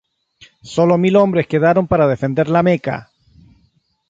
Sólo mil hombres quedaron para defender la Meca.